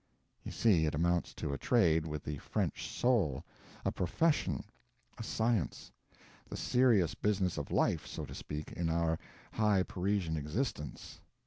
You see, it amounts to a trade with the French soul; a profession; a science; the serious business of life, so to speak, in our high Parisian existence.